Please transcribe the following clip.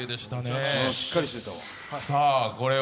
しっかりしてたわ。